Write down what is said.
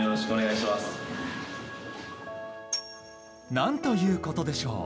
何ということでしょう。